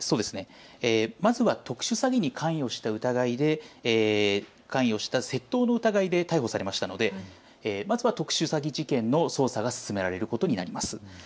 まずは特殊詐欺に関与した窃盗の疑いで逮捕されましたのでまずは特殊詐欺事件の捜査が進められることになります。